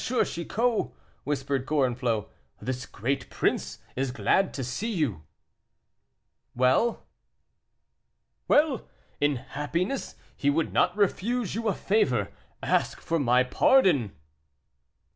Chicot," whispered Gorenflot, "this great prince is glad to see you." "Well?" "Well! in his happiness he would not refuse you a favor; ask for my pardon."